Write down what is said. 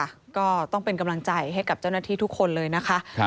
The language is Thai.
ก็ต้องเป็นกำลังใจให้กับเจ้าหน้าที่ทุกคนเลยนะคะ